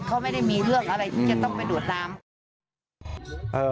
เขาไม่ได้มีเรื่องอะไรที่จะต้องไปดวดน้ำ